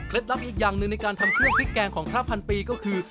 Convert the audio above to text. เคล็ดลับอีกอย่างในการทำเครือพริกแกงของคราวพันปีก็คือ